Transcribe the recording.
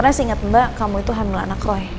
karena singet mbak kamu itu hamil anak roy